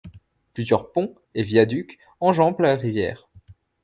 Plusieurs ponts et viaducs enjambent la rivière.